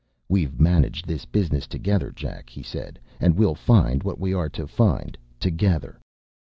“We’ve managed this business together, Jack,” he said, “and we’ll find what we are to find, together.